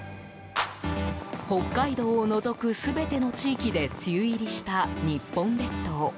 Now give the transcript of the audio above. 北海道を除く全ての地域で梅雨入りした日本列島。